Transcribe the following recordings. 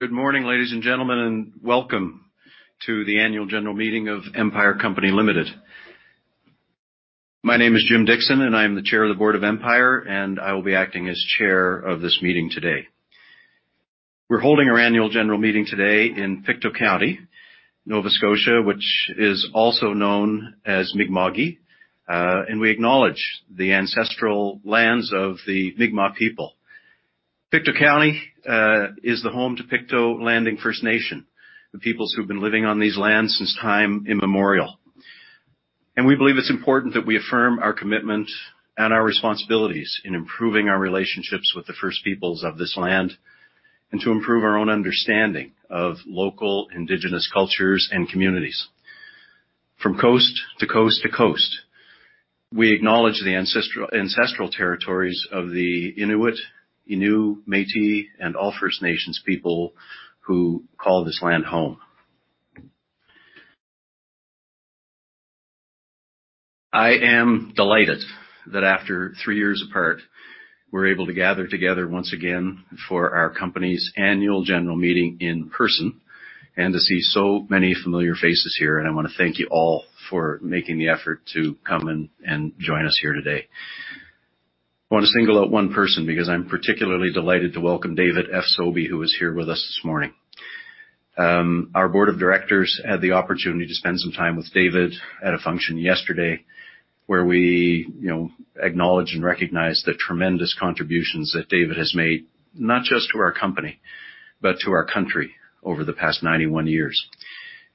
Good morning, ladies and gentlemen, and welcome to the annual general meeting of Empire Company Limited. My name is James Dickson, and I'm the chair of the board of Empire, and I will be acting as chair of this meeting today. We're holding our annual general meeting today in Pictou County, Nova Scotia, which is also known as Mi'kma'ki, and we acknowledge the ancestral lands of the Mi'kmaq people. Pictou County is the home to Pictou Landing First Nation, the peoples who've been living on these lands since time immemorial. We believe it's important that we affirm our commitment and our responsibilities in improving our relationships with the First Peoples of this land and to improve our own understanding of local indigenous cultures and communities. From coast to coast to coast, we acknowledge the ancestral territories of the Inuit, Innu, Métis, and all First Nations people who call this land home. I am delighted that after 3 years apart, we're able to gather together once again for our company's annual general meeting in person and to see so many familiar faces here. I wanna thank you all for making the effort to come and join us here today. I wanna single out one person because I'm particularly delighted to welcome David F. Sobey, who is here with us this morning. Our board of directors had the opportunity to spend some time with David at a function yesterday where we, you know, acknowledge and recognize the tremendous contributions that David has made, not just to our company, but to our country over the past 91 years.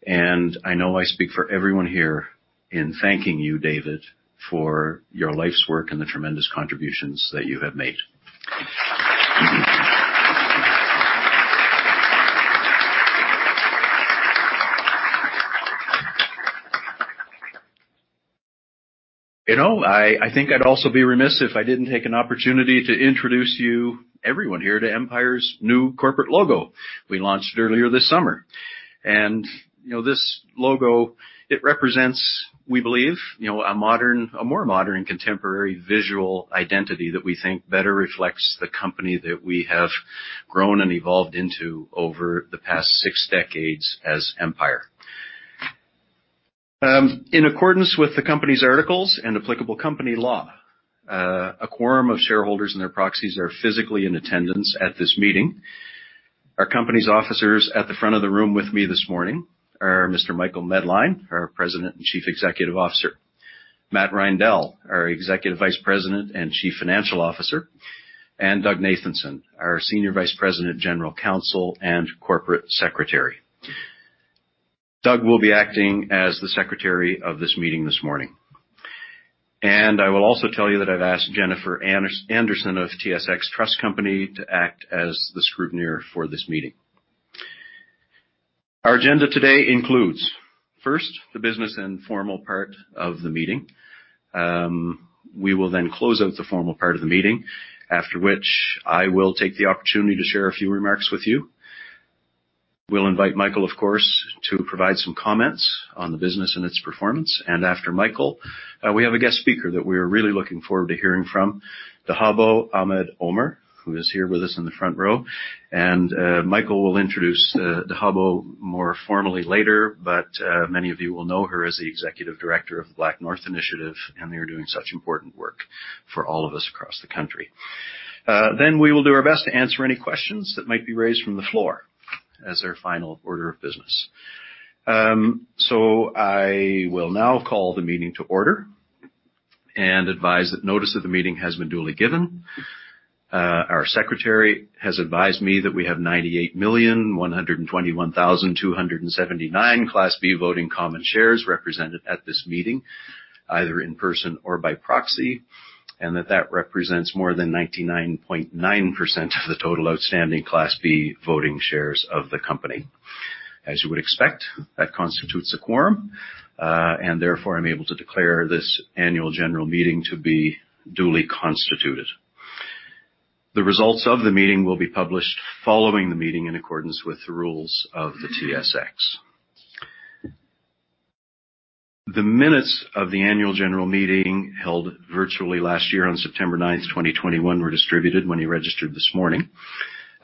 I know I speak for everyone here in thanking you, David, for your life's work and the tremendous contributions that you have made. I think I'd also be remiss if I didn't take an opportunity to introduce you, everyone here, to Empire's new corporate logo we launched earlier this summer. This logo, it represents, we believe, a more modern contemporary visual identity that we think better reflects the company that we have grown and evolved into over the past six decades as Empire. In accordance with the company's articles and applicable company law, a quorum of shareholders and their proxies are physically in attendance at this meeting. Our company's officers at the front of the room with me this morning are Mr. Michael Medline, our President and Chief Executive Officer, Matt Reindel, our Executive Vice President and Chief Financial Officer, and Doug Nathanson, our Senior Vice President, General Counsel, and Corporate Secretary. Doug will be acting as the secretary of this meeting this morning. I will also tell you that I've asked Jennifer Anderson of TSX Trust Company to act as the scrutineer for this meeting. Our agenda today includes, first, the business and formal part of the meeting. We will then close out the formal part of the meeting, after which I will take the opportunity to share a few remarks with you. We'll invite Michael, of course, to provide some comments on the business and its performance. After Michael, we have a guest speaker that we are really looking forward to hearing from, Dahabo Ahmed-Omer, who is here with us in the front row. Michael will introduce Dahabo more formally later, but many of you will know her as the executive director of the BlackNorth Initiative, and they are doing such important work for all of us across the country. We will do our best to answer any questions that might be raised from the floor as our final order of business. I will now call the meeting to order and advise that notice of the meeting has been duly given. Our secretary has advised me that we have 98,121,279 Class B voting common shares represented at this meeting, either in person or by proxy, and that that represents more than 99.9% of the total outstanding Class B voting shares of the company. As you would expect, that constitutes a quorum, and therefore, I'm able to declare this annual general meeting to be duly constituted. The results of the meeting will be published following the meeting in accordance with the rules of the TSX. The minutes of the annual general meeting held virtually last year on September 9th, 2021, were distributed when you registered this morning.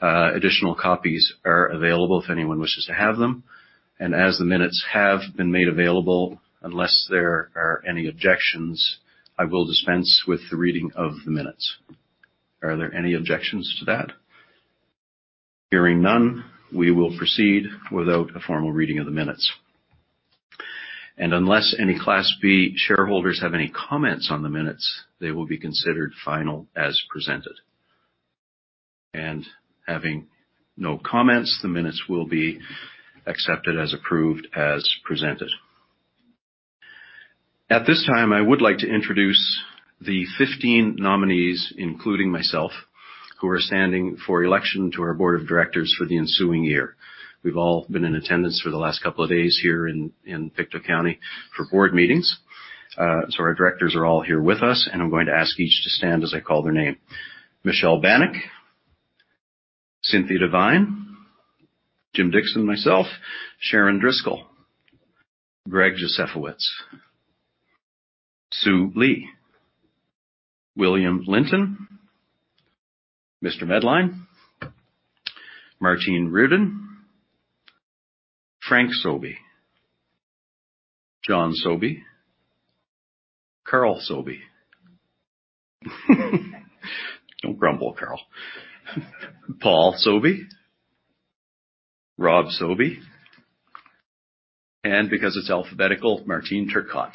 Additional copies are available if anyone wishes to have them. As the minutes have been made available, unless there are any objections, I will dispense with the reading of the minutes. Are there any objections to that? Hearing none, we will proceed without a formal reading of the minutes. Unless any Class B shareholders have any comments on the minutes, they will be considered final as presented. Having no comments, the minutes will be accepted as approved as presented. At this time, I would like to introduce the 15 nominees, including myself, who are standing for election to our board of directors for the ensuing year. We've all been in attendance for the last couple of days here in Pictou County for board meetings. So our directors are all here with us, and I'm going to ask each to stand as I call their name. Michelle Banik. Cynthia Devine. James Dickson, myself. Sharon Driscoll. Gregory Josefowicz. Sue Lee, William Linton, Michael Medline, Martine Reardon, Frank C. Sobey, John Sobey, Karl Sobey. Don't grumble, Karl. Paul D. Sobey, Rob G.C. Sobey, and because it's alphabetical, Martine Turcotte.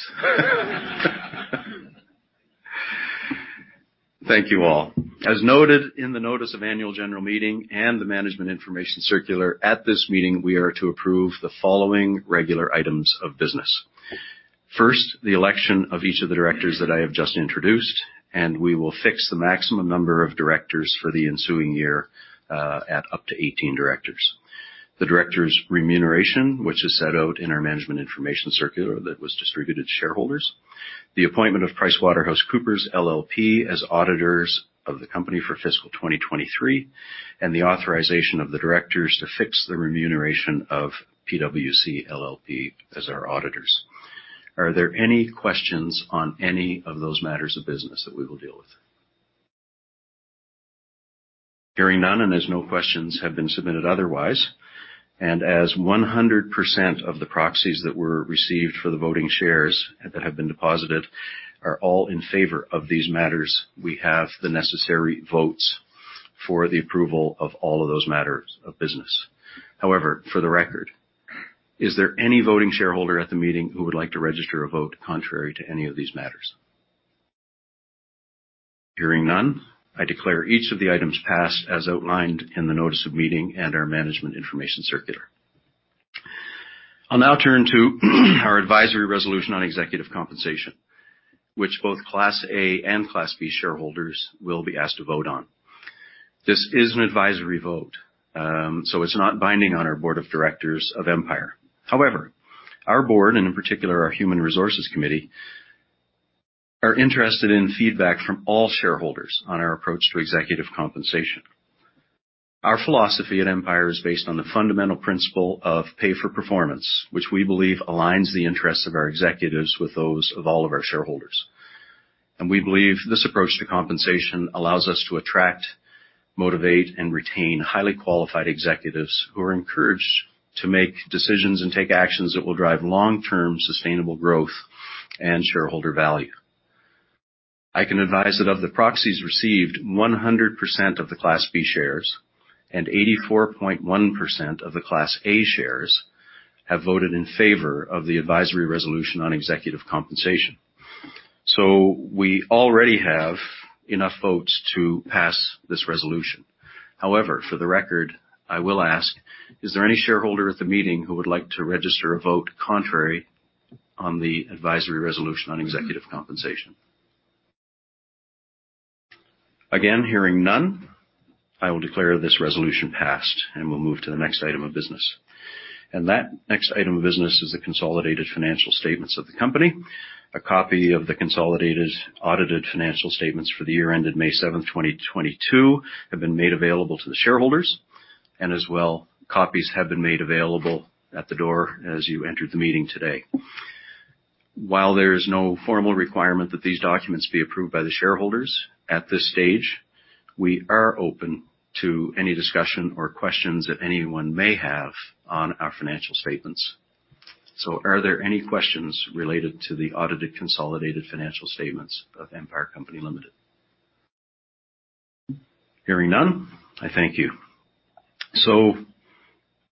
Thank you all. As noted in the notice of annual general meeting and the management information circular, at this meeting, we are to approve the following regular items of business. First, the election of each of the directors that I have just introduced, and we will fix the maximum number of directors for the ensuing year, at up to 18 directors. The directors' remuneration, which is set out in our management information circular that was distributed to shareholders. The appointment of PricewaterhouseCoopers LLP as auditors of the company for fiscal 2023, and the authorization of the directors to fix the remuneration of PwC LLP as our auditors. Are there any questions on any of those matters of business that we will deal with? Hearing none, and as no questions have been submitted otherwise, and as 100% of the proxies that were received for the voting shares that have been deposited are all in favor of these matters, we have the necessary votes for the approval of all of those matters of business. However, for the record, is there any voting shareholder at the meeting who would like to register a vote contrary to any of these matters? Hearing none, I declare each of the items passed as outlined in the notice of meeting and our management information circular. I'll now turn to our advisory resolution on executive compensation, which both Class A and Class B shareholders will be asked to vote on. This is an advisory vote, so it's not binding on our board of directors of Empire. However, our board, and in particular our Human Resources Committee, are interested in feedback from all shareholders on our approach to executive compensation. Our philosophy at Empire is based on the fundamental principle of pay for performance, which we believe aligns the interests of our executives with those of all of our shareholders. We believe this approach to compensation allows us to attract, motivate, and retain highly qualified executives who are encouraged to make decisions and take actions that will drive long-term sustainable growth and shareholder value. I can advise that of the proxies received, 100% of the Class B shares and 84.1% of the Class A shares have voted in favor of the advisory resolution on executive compensation. We already have enough votes to pass this resolution. However, for the record, I will ask, is there any shareholder at the meeting who would like to register a vote contrary on the advisory resolution on executive compensation? Again, hearing none, I will declare this resolution passed, and we'll move to the next item of business. That next item of business is the consolidated financial statements of the company. A copy of the consolidated audited financial statements for the year ended May 7, 2022 have been made available to the shareholders. As well, copies have been made available at the door as you entered the meeting today. While there is no formal requirement that these documents be approved by the shareholders at this stage, we are open to any discussion or questions that anyone may have on our financial statements. Are there any questions related to the audited consolidated financial statements of Empire Company Limited? Hearing none, I thank you.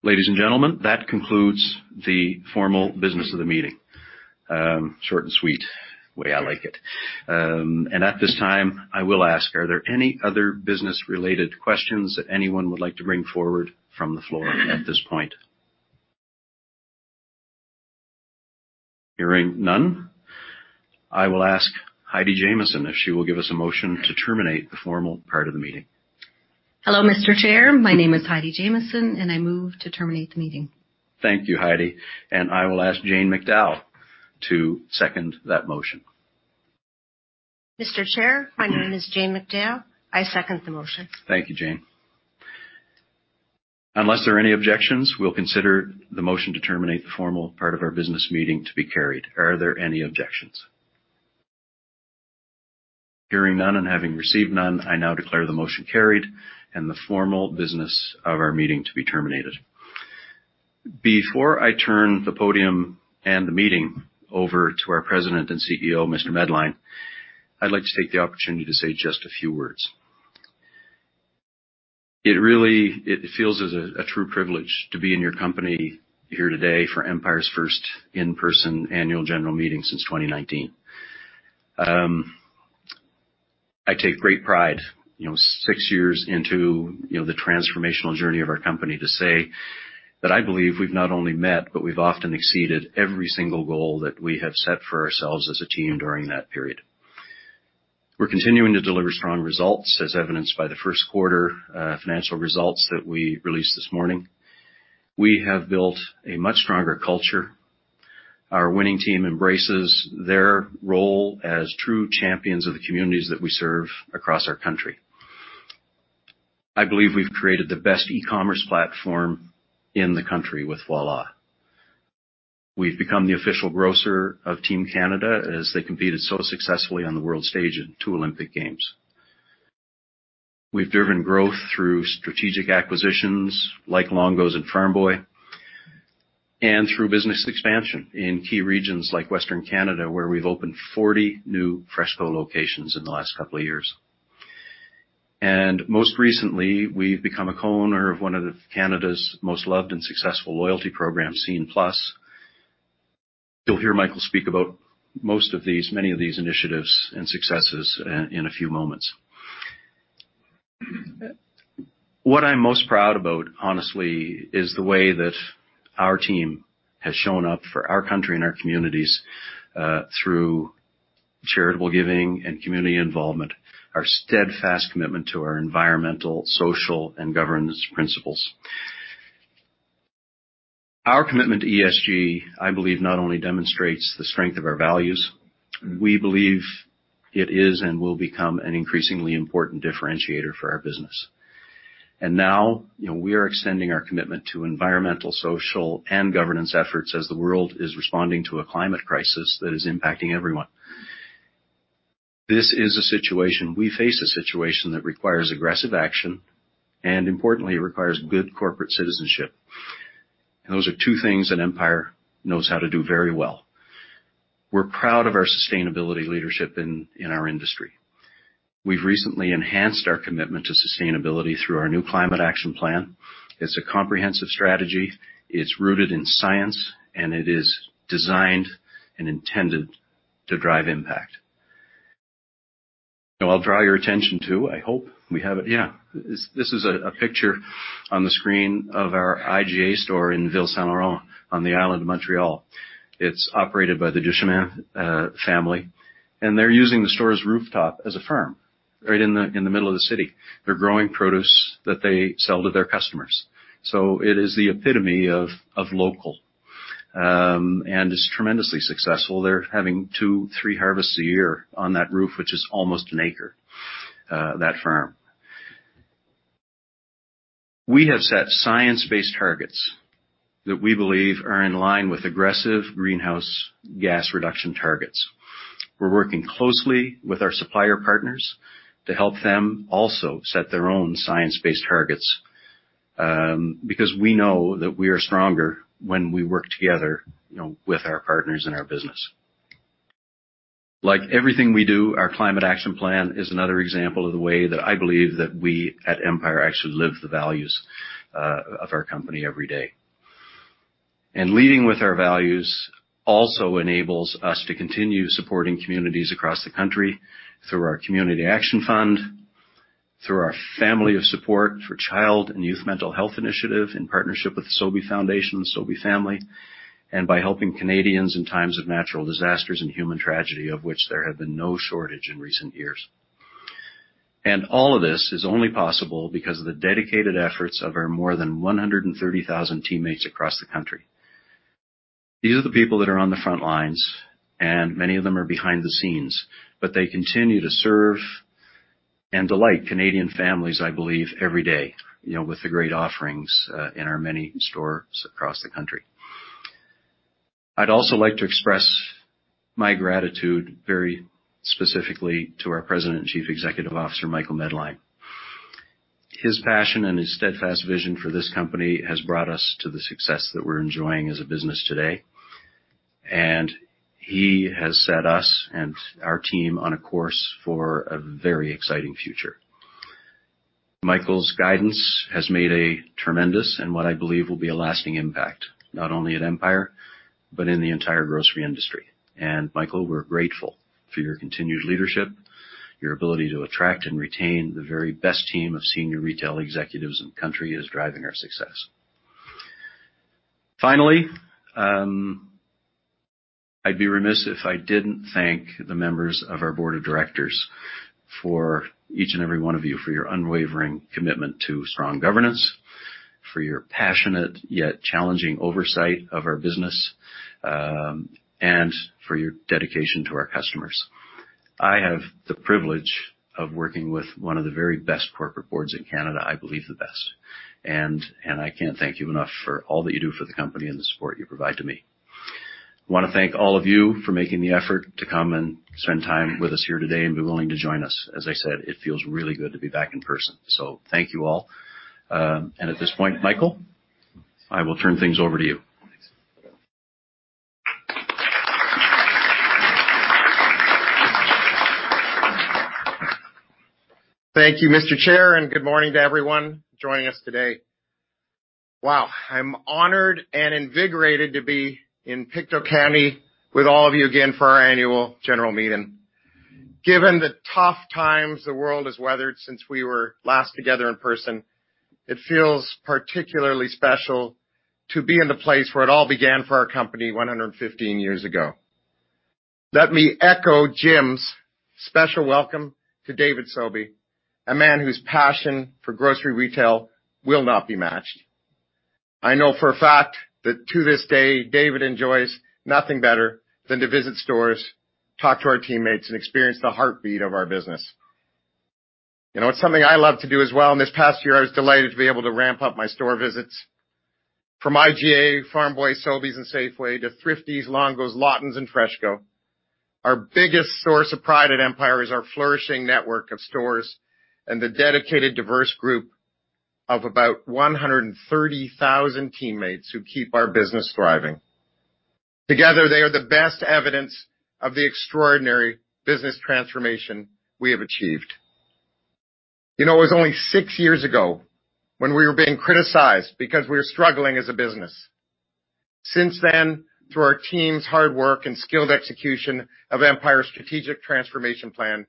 Ladies and gentlemen, that concludes the formal business of the meeting. Short and sweet, way I like it. At this time, I will ask, are there any other business-related questions that anyone would like to bring forward from the floor at this point? Hearing none, I will ask Heidi Jamieson if she will give us a motion to terminate the formal part of the meeting. Hello, Mr. Chair. My name is Heidi Jamieson, and I move to terminate the meeting. Thank you, Heidi. I will ask Jane McDowell to second that motion. Mr. Chair, my name is Jane McDowell. I second the motion. Thank you, Jane. Unless there are any objections, we'll consider the motion to terminate the formal part of our business meeting to be carried. Are there any objections? Hearing none and having received none, I now declare the motion carried and the formal business of our meeting to be terminated. Before I turn the podium and the meeting over to our President and CEO, Mr. Medline, I'd like to take the opportunity to say just a few words. It really feels like a true privilege to be in your company here today for Empire's first in-person annual general meeting since 2019. I take great pride, you know, six years into, you know, the transformational journey of our company to say that I believe we've not only met, but we've often exceeded every single goal that we have set for ourselves as a team during that period. We're continuing to deliver strong results, as evidenced by the first quarter financial results that we released this morning. We have built a much stronger culture. Our winning team embraces their role as true champions of the communities that we serve across our country. I believe we've created the best e-commerce platform in the country with Voilà. We've become the official grocer of Team Canada as they competed so successfully on the world stage in two Olympic Games. We've driven growth through strategic acquisitions like Longo's and Farm Boy, and through business expansion in key regions like Western Canada, where we've opened 40 new FreshCo locations in the last couple of years. Most recently, we've become a co-owner of one of Canada's most loved and successful loyalty programs, Scene+. You'll hear Michael speak about most of these, many of these initiatives and successes in a few moments. What I'm most proud about, honestly, is the way that our team has shown up for our country and our communities through charitable giving and community involvement, our steadfast commitment to our environmental, social, and governance principles. Our commitment to ESG, I believe, not only demonstrates the strength of our values, we believe it is and will become an increasingly important differentiator for our business. Now, you know, we are extending our commitment to environmental, social, and governance efforts as the world is responding to a climate crisis that is impacting everyone. We face a situation that requires aggressive action, and importantly, it requires good corporate citizenship. Those are two things that Empire knows how to do very well. We're proud of our sustainability leadership in our industry. We've recently enhanced our commitment to sustainability through our new climate action plan. It's a comprehensive strategy, it's rooted in science, and it is designed and intended to drive impact. Now, I'll draw your attention to, I hope we have it. Yeah. This is a picture on the screen of our IGA store in Ville Saint-Laurent on the island of Montreal. It's operated by the Duchemin family, and they're using the store's rooftop as a farm right in the middle of the city. They're growing produce that they sell to their customers. It is the epitome of local and is tremendously successful. They're having two to three harvests a year on that roof, which is almost an acre, that farm. We have set science-based targets that we believe are in line with aggressive greenhouse gas reduction targets. We're working closely with our supplier partners to help them also set their own science-based targets, because we know that we are stronger when we work together, you know, with our partners in our business. Like everything we do, our climate action plan is another example of the way that I believe that we at Empire actually live the values of our company every day. Leading with our values also enables us to continue supporting communities across the country through our community action fund, through our family of support for child and youth mental health initiative in partnership with the Sobey Foundation and Sobeys family, and by helping Canadians in times of natural disasters and human tragedy, of which there have been no shortage in recent years. All of this is only possible because of the dedicated efforts of our more than 130,000 teammates across the country. These are the people that are on the front lines, and many of them are behind the scenes, but they continue to serve and delight Canadian families, I believe, every day, you know, with the great offerings in our many stores across the country. I'd also like to express my gratitude very specifically to our President and Chief Executive Officer, Michael Medline. His passion and his steadfast vision for this company has brought us to the success that we're enjoying as a business today, and he has set us and our team on a course for a very exciting future. Michael's guidance has made a tremendous, and what I believe will be a lasting impact, not only at Empire, but in the entire grocery industry. Michael, we're grateful for your continued leadership, your ability to attract and retain the very best team of senior retail executives in the country is driving our success. Finally, I'd be remiss if I didn't thank the members of our board of directors for each and every one of you for your unwavering commitment to strong governance, for your passionate yet challenging oversight of our business, and for your dedication to our customers. I have the privilege of working with one of the very best corporate boards in Canada. I believe the best. I can't thank you enough for all that you do for the company and the support you provide to me. Wanna thank all of you for making the effort to come and spend time with us here today and be willing to join us. As I said, it feels really good to be back in person. Thank you all. At this point, Michael, I will turn things over to you. Thank you, Mr. Chair, and good morning to everyone joining us today. Wow. I'm honored and invigorated to be in Pictou County with all of you again for our annual general meeting. Given the tough times the world has weathered since we were last together in person, it feels particularly special to be in the place where it all began for our company 115 years ago. Let me echo Jim's special welcome to David Sobey, a man whose passion for grocery retail will not be matched. I know for a fact that to this day, David enjoys nothing better than to visit stores, talk to our teammates, and experience the heartbeat of our business. You know, it's something I love to do as well, and this past year, I was delighted to be able to ramp up my store visits. From IGA, Farm Boy, Sobeys, and Safeway to Thrifty Foods, Longo's, Lawtons, and FreshCo. Our biggest source of pride at Empire is our flourishing network of stores and the dedicated, diverse group of about 130,000 teammates who keep our business thriving. Together, they are the best evidence of the extraordinary business transformation we have achieved. You know, it was only six years ago when we were being criticized because we were struggling as a business. Since then, through our team's hard work and skilled execution of Empire's strategic transformation plan,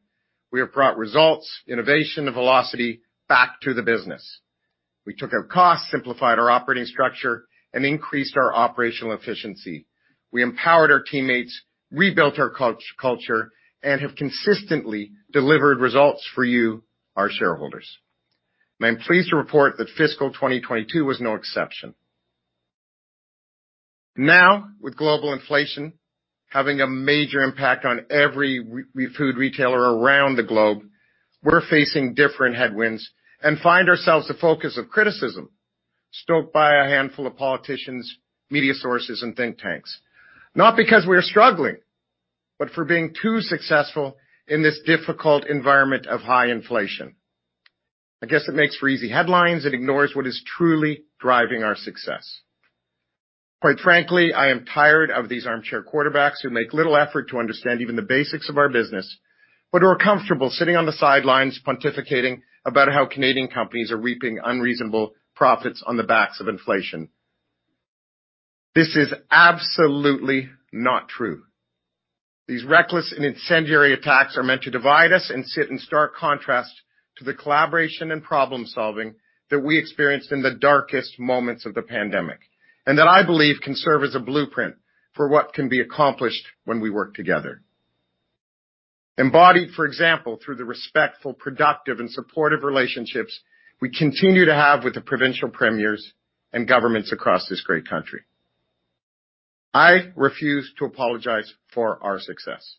we have brought results, innovation, and velocity back to the business. We took out costs, simplified our operating structure, and increased our operational efficiency. We empowered our teammates, rebuilt our culture, and have consistently delivered results for you, our shareholders. I'm pleased to report that fiscal 2022 was no exception. Now, with global inflation having a major impact on every food retailer around the globe, we're facing different headwinds and find ourselves the focus of criticism, stoked by a handful of politicians, media sources, and think tanks, not because we are struggling, but for being too successful in this difficult environment of high inflation. I guess it makes for easy headlines and ignores what is truly driving our success. Quite frankly, I am tired of these armchair quarterbacks who make little effort to understand even the basics of our business, but who are comfortable sitting on the sidelines pontificating about how Canadian companies are reaping unreasonable profits on the backs of inflation. This is absolutely not true. These reckless and incendiary attacks are meant to divide us and sit in stark contrast to the collaboration and problem-solving that we experienced in the darkest moments of the pandemic, and that I believe can serve as a blueprint for what can be accomplished when we work together. Embodied, for example, through the respectful, productive, and supportive relationships we continue to have with the provincial premiers and governments across this great country. I refuse to apologize for our success.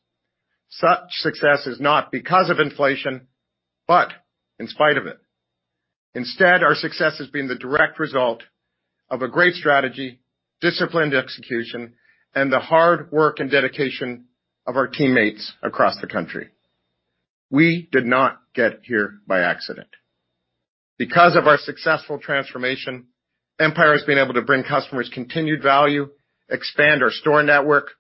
Such success is not because of inflation, but in spite of it. Instead, our success has been the direct result of a great strategy, disciplined execution, and the hard work and dedication of our teammates across the country. We did not get here by accident. Because of our successful transformation, Empire has been able to bring customers continued value, expand our store network,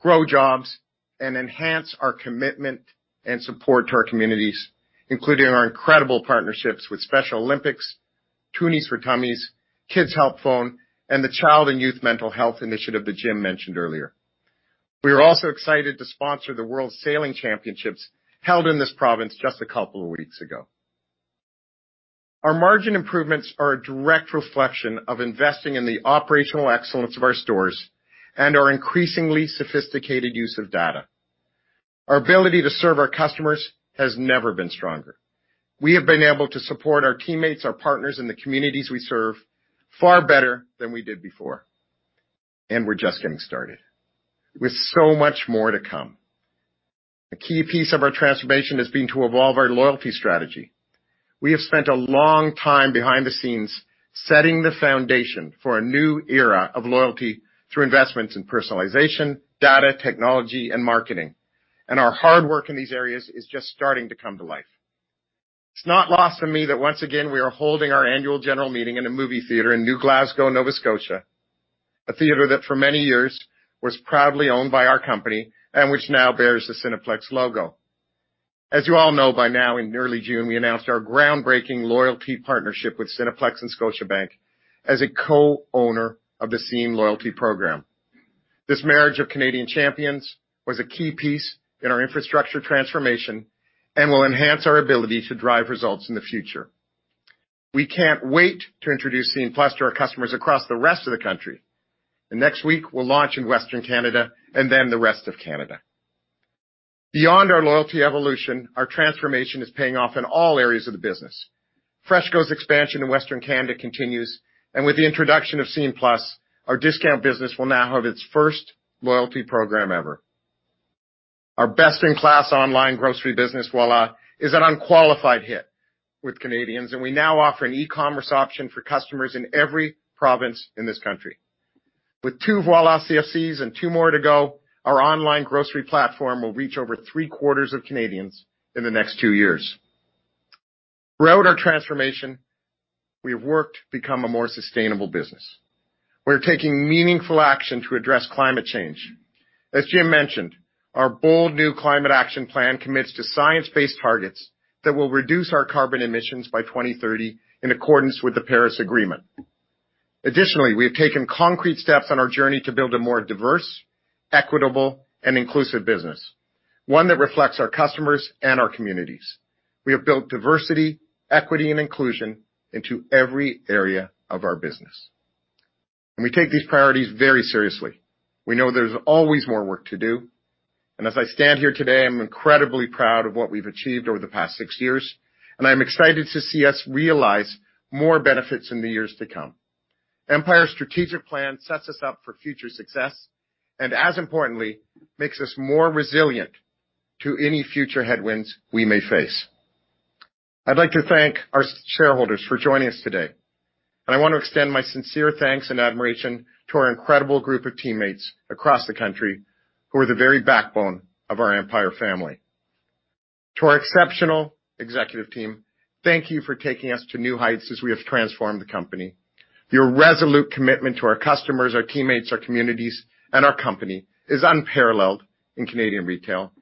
grow jobs, and enhance our commitment and support to our communities, including our incredible partnerships with Special Olympics, Toonies for Tummies, Kids Help Phone, and the Child and Youth Mental Health initiative that Jim mentioned earlier. We are also excited to sponsor the World Sailing Championships held in this province just a couple of weeks ago. Our margin improvements are a direct reflection of investing in the operational excellence of our stores and our increasingly sophisticated use of data. Our ability to serve our customers has never been stronger. We have been able to support our teammates, our partners, and the communities we serve far better than we did before. We're just getting started, with so much more to come. A key piece of our transformation has been to evolve our loyalty strategy. We have spent a long time behind the scenes setting the foundation for a new era of loyalty through investments in personalization, data, technology, and marketing. Our hard work in these areas is just starting to come to life. It's not lost on me that once again we are holding our annual general meeting in a movie theater in New Glasgow, Nova Scotia, a theater that for many years was proudly owned by our company and which now bears the Cineplex logo. As you all know by now, in early June, we announced our groundbreaking loyalty partnership with Cineplex and Scotiabank as a co-owner of the Scene+ loyalty program. This marriage of Canadian champions was a key piece in our infrastructure transformation and will enhance our ability to drive results in the future. We can't wait to introduce Scene+ to our customers across the rest of the country. Next week, we'll launch in Western Canada and then the rest of Canada. Beyond our loyalty evolution, our transformation is paying off in all areas of the business. FreshCo's expansion in Western Canada continues, and with the introduction of Scene+, our discount business will now have its first loyalty program ever. Our best-in-class online grocery business, Voilà, is an unqualified hit with Canadians, and we now offer an e-commerce option for customers in every province in this country. With two Voilà CFCs and two more to go, our online grocery platform will reach over three-quarters of Canadians in the next 2 years. Throughout our transformation, we have worked to become a more sustainable business. We are taking meaningful action to address climate change. As James mentioned, our bold new climate action plan commits to science-based targets that will reduce our carbon emissions by 2030 in accordance with the Paris Agreement. Additionally, we have taken concrete steps on our journey to build a more diverse, equitable, and inclusive business, one that reflects our customers and our communities. We have built diversity, equity, and inclusion into every area of our business. We take these priorities very seriously. We know there's always more work to do. As I stand here today, I'm incredibly proud of what we've achieved over the past six years, and I'm excited to see us realize more benefits in the years to come. Empire's strategic plan sets us up for future success and as importantly, makes us more resilient to any future headwinds we may face. I'd like to thank our shareholders for joining us today, and I wanna extend my sincere thanks and admiration to our incredible group of teammates across the country who are the very backbone of our Empire family. To our exceptional executive team, thank you for taking us to new heights as we have transformed the company. Your resolute commitment to our customers, our teammates, our communities, and our company is unparalleled in Canadian retail,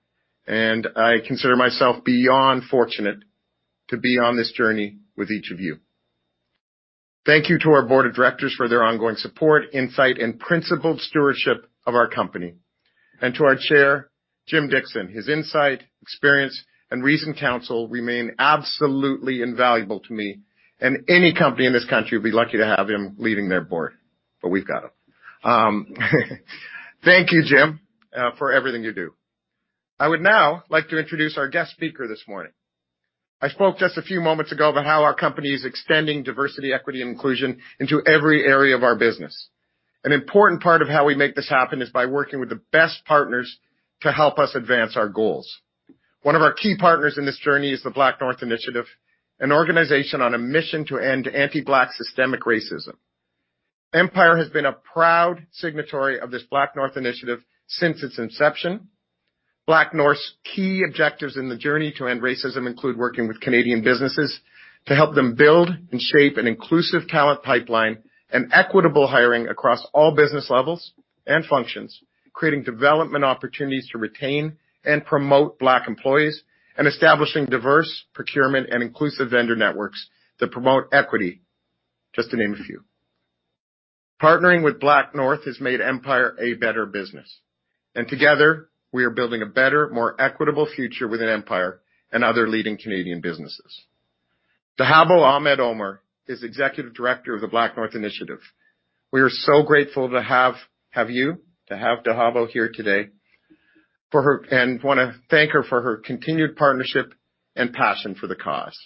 and I consider myself beyond fortunate to be on this journey with each of you. Thank you to our board of directors for their ongoing support, insight, and principled stewardship of our company. To our chair, James Dickson, his insight, experience, and reasoned counsel remain absolutely invaluable to me, and any company in this country will be lucky to have him leading their board. We've got him. Thank you, James, for everything you do. I would now like to introduce our guest speaker this morning. I spoke just a few moments ago about how our company is extending diversity, equity, and inclusion into every area of our business. An important part of how we make this happen is by working with the best partners to help us advance our goals. One of our key partners in this journey is the BlackNorth Initiative, an organization on a mission to end anti-Black systemic racism. Empire has been a proud signatory of this BlackNorth Initiative since its inception. BlackNorth's key objectives in the journey to end racism include working with Canadian businesses to help them build and shape an inclusive talent pipeline and equitable hiring across all business levels and functions, creating development opportunities to retain and promote Black employees, and establishing diverse procurement and inclusive vendor networks that promote equity, just to name a few. Partnering with BlackNorth has made Empire a better business, and together, we are building a better, more equitable future with Empire and other leading Canadian businesses. Dahabo Ahmed-Omer is Executive Director of the BlackNorth Initiative. We are so grateful to have Dahabo here today for her. Wanna thank her for her continued partnership and passion for the cause.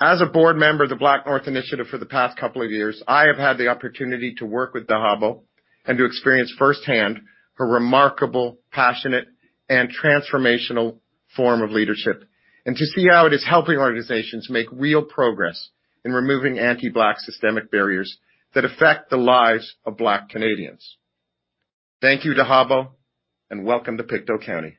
As a board member of the BlackNorth Initiative for the past couple of years, I have had the opportunity to work with Dahabo and to experience firsthand her remarkable, passionate, and transformational form of leadership, and to see how it is helping organizations make real progress in removing anti-Black systemic barriers that affect the lives of Black Canadians. Thank you, Dahabo, and welcome to Pictou County.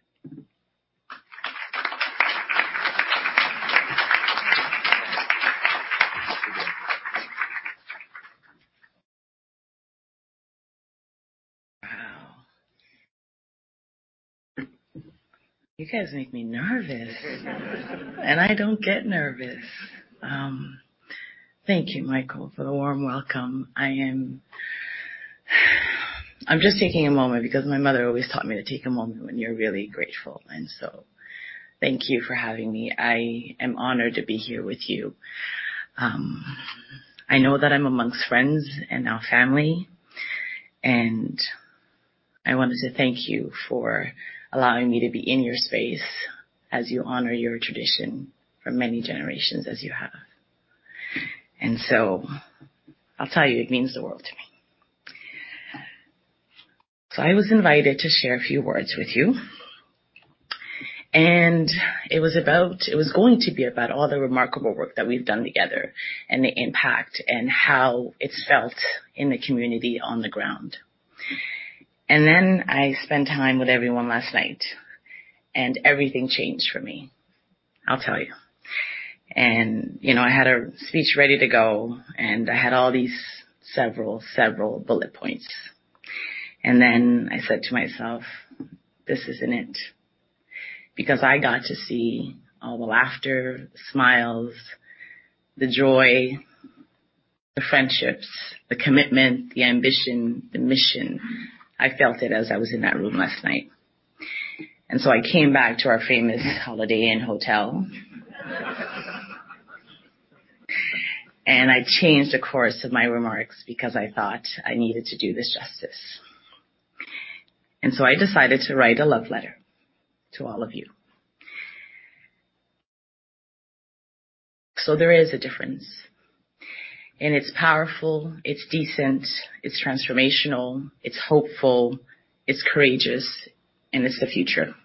Wow. You guys make me nervous. I don't get nervous. Thank you, Michael, for the warm welcome. I'm just taking a moment because my mother always taught me to take a moment when you're really grateful. Thank you for having me. I am honored to be here with you. I know that I'm among friends and now family, and I wanted to thank you for allowing me to be in your space as you honor your tradition for many generations as you have. I'll tell you, it means the world to me. I was invited to share a few words with you. It was going to be about all the remarkable work that we've done together and the impact and how it's felt in the community on the ground. Then I spent time with everyone last night, and everything changed for me. I'll tell you. You know, I had a speech ready to go, and I had all these several bullet points. Then I said to myself, "This isn't it." Because I got to see all the laughter, smiles, the joy, the friendships, the commitment, the ambition, the mission. I felt it as I was in that room last night. I came back to our famous Holiday Inn Hotel. I changed the course of my remarks because I thought I needed to do this justice. I decided to write a love letter to all of you. There is a difference, and it's powerful, it's decent, it's transformational, it's hopeful, it's courageous, and it's the future.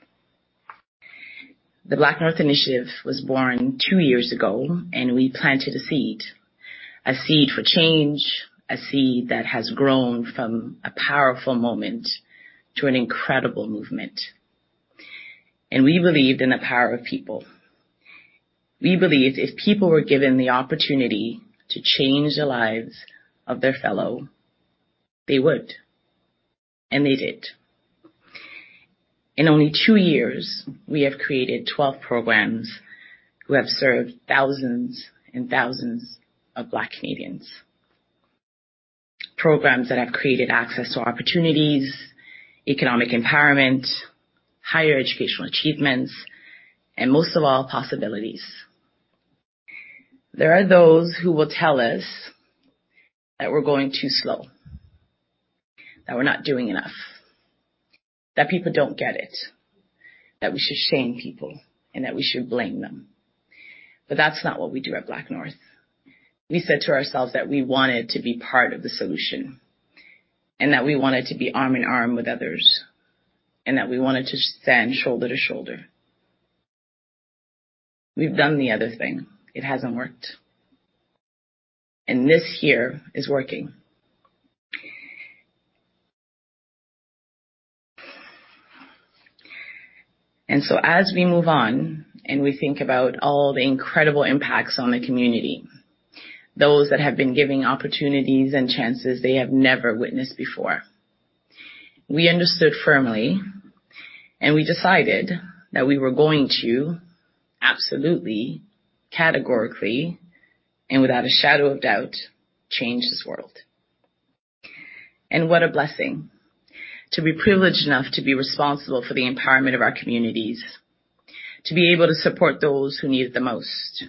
The BlackNorth Initiative was born two years ago, and we planted a seed, a seed for change, a seed that has grown from a powerful moment to an incredible movement. We believed in the power of people. We believe if people were given the opportunity to change the lives of their fellow, they would, and they did. In only two years, we have created 12 programs who have served thousands and thousands of Black Canadians. Programs that have created access to opportunities, economic empowerment, higher educational achievements, and most of all, possibilities. There are those who will tell us that we're going too slow, that we're not doing enough, that people don't get it, that we should shame people, and that we should blame them. That's not what we do at BlackNorth. We said to ourselves that we wanted to be part of the solution, and that we wanted to be arm in arm with others, and that we wanted to stand shoulder to shoulder. We've done the other thing, it hasn't worked. This here is working. As we move on and we think about all the incredible impacts on the community, those that have been giving opportunities and chances they have never witnessed before, we understood firmly, and we decided that we were going to absolutely, categorically, and without a shadow of doubt, change this world. What a blessing to be privileged enough to be responsible for the empowerment of our communities. To be able to support those who need it the most,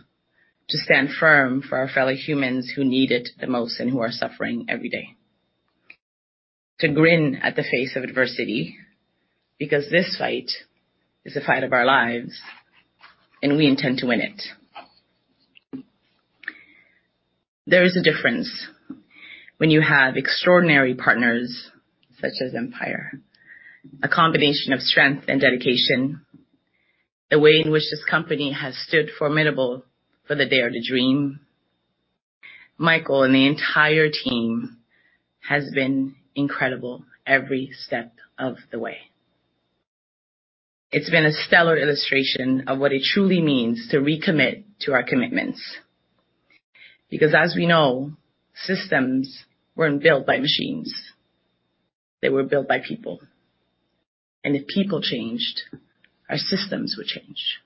to stand firm for our fellow humans who need it the most and who are suffering every day. To grin at the face of adversity because this fight is the fight of our lives, and we intend to win it. There is a difference when you have extraordinary partners such as Empire. A combination of strength and dedication, the way in which this company has stood formidable for the dare to dream. Michael and the entire team has been incredible every step of the way. It's been a stellar illustration of what it truly means to recommit to our commitments. Because as we know, systems weren't built by machines, they were built by people. If people changed, our systems would change.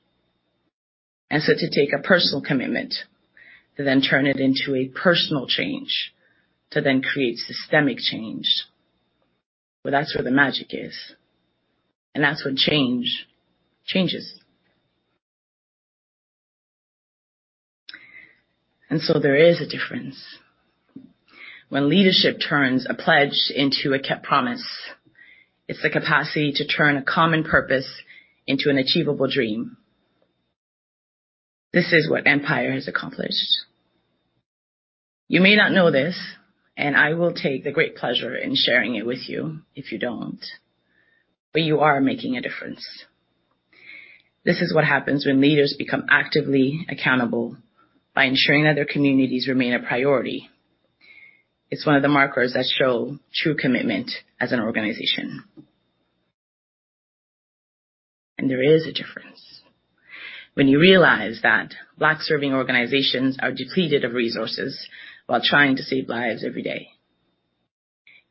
To take a personal commitment, to then turn it into a personal change, to then create systemic change, well, that's where the magic is, and that's when change changes. There is a difference when leadership turns a pledge into a kept promise. It's the capacity to turn a common purpose into an achievable dream. This is what Empire has accomplished. You may not know this, and I will take the great pleasure in sharing it with you if you don't, but you are making a difference. This is what happens when leaders become actively accountable by ensuring that their communities remain a priority. It's one of the markers that show true commitment as an organization. There is a difference when you realize that Black-serving organizations are depleted of resources while trying to save lives every day.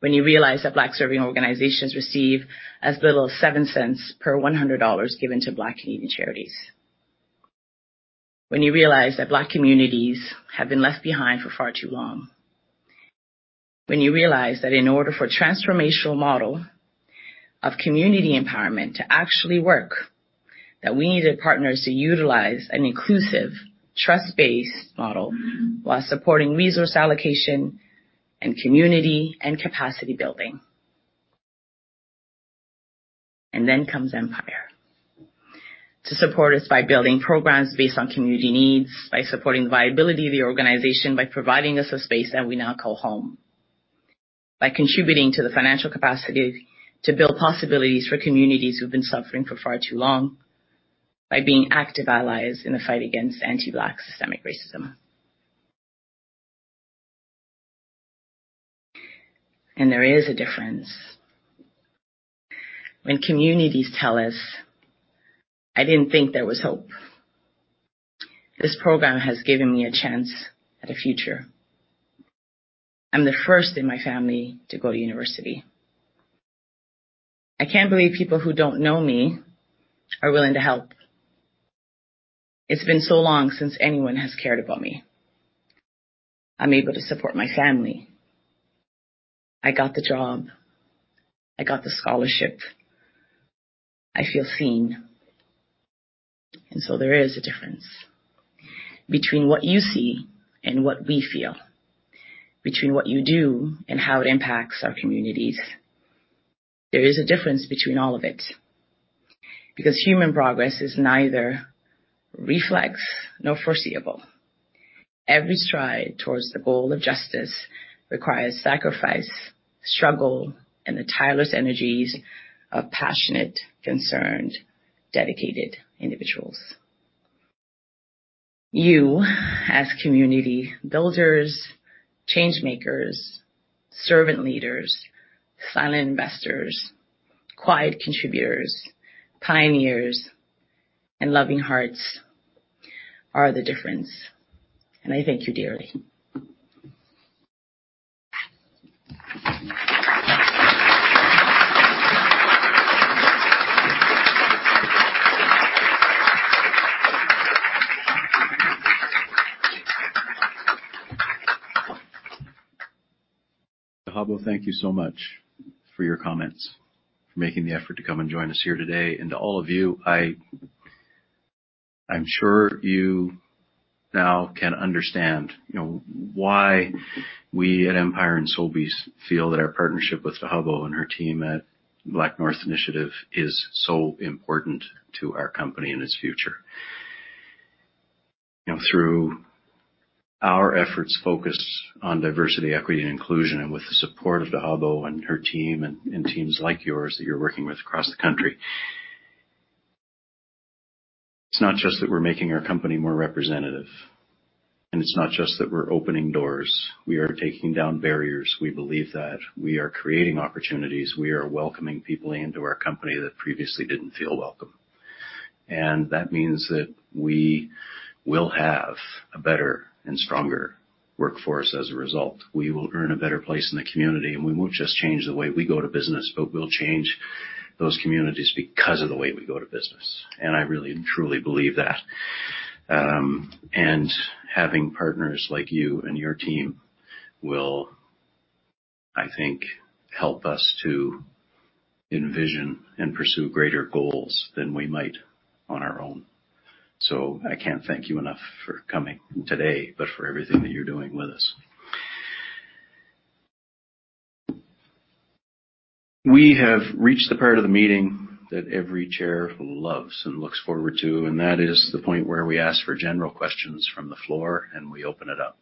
When you realize that Black-serving organizations receive as little as 7 cents per 100 dollars given to Black Canadian charities. When you realize that Black communities have been left behind for far too long. When you realize that in order for a transformational model of community empowerment to actually work, that we needed partners to utilize an inclusive, trust-based model while supporting resource allocation and community and capacity building. Then comes Empire to support us by building programs based on community needs, by supporting the viability of the organization, by providing us a space that we now call home. By contributing to the financial capacity to build possibilities for communities who've been suffering for far too long. By being active allies in the fight against anti-Black systemic racism. There is a difference when communities tell us, "I didn't think there was hope. This program has given me a chance at a future. I'm the first in my family to go to university. I can't believe people who don't know me are willing to help. It's been so long since anyone has cared about me. I'm able to support my family. I got the job. I got the scholarship. I feel seen." There is a difference between what you see and what we feel, between what you do and how it impacts our communities. There is a difference between all of it, because human progress is neither reflex nor foreseeable. Every stride towards the goal of justice requires sacrifice, struggle, and the tireless energies of passionate, concerned, dedicated individuals. You as community builders, change makers, servant leaders, silent investors, quiet contributors, pioneers, and loving hearts are the difference. I thank you dearly. Dahabo, thank you so much for your comments, for making the effort to come and join us here today. To all of you, I'm sure you now can understand, you know, why we at Empire and Sobeys feel that our partnership with Dahabo and her team at BlackNorth Initiative is so important to our company and its future. You know, through our efforts focused on diversity, equity, and inclusion, and with the support of Dahabo and her team and teams like yours that you're working with across the country, it's not just that we're making our company more representative, and it's not just that we're opening doors. We are taking down barriers. We believe that we are creating opportunities. We are welcoming people into our company that previously didn't feel welcome. That means that we will have a better and stronger workforce as a result. We will earn a better place in the community, and we won't just change the way we go to business, but we'll change those communities because of the way we go to business. I really and truly believe that. Having partners like you and your team will, I think, help us to envision and pursue greater goals than we might on our own. I can't thank you enough for coming today, but for everything that you're doing with us. We have reached the part of the meeting that every chair loves and looks forward to, and that is the point where we ask for general questions from the floor, and we open it up.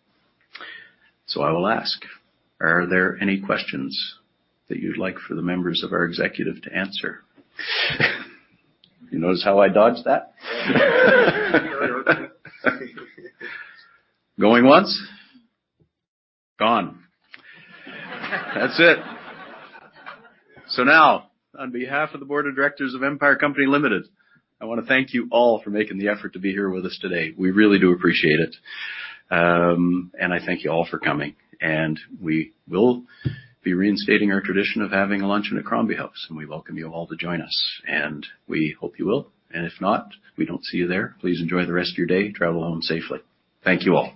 I will ask, are there any questions that you'd like for the members of our executive to answer? You notice how I dodged that? Going once. Gone. That's it. Now, on behalf of the board of directors of Empire Company Limited, I wanna thank you all for making the effort to be here with us today. We really do appreciate it. I thank you all for coming, and we will be reinstating our tradition of having a luncheon at Crombie House, and we welcome you all to join us, and we hope you will. If not, we don't see you there, please enjoy the rest of your day. Travel home safely. Thank you all.